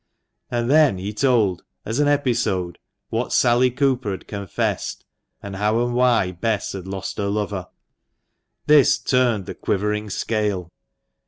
And then he told, as an episode, what Sally Cooper had confessed, and how and why Bess had lost her lover. 76 THE MANCHESTER MAN. This turned the quivering scale.